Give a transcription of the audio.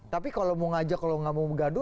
tapi kalau mau ngajak kalau nggak mau gaduh